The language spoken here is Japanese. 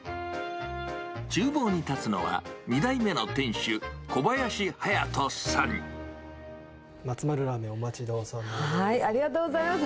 ちゅう房に立つのは、２代目の店主、マツマルラーメン、お待ちどはい、ありがとうございます。